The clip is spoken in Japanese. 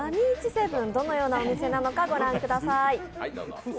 セヴンどのようなお店なのか、ご覧ください。